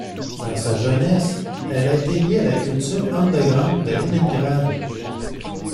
Dans sa jeunesse, elle a été liée à la culture underground de Leningrad.